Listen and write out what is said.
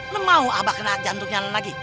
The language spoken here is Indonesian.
lu mau abah kena jantungnya lu lagi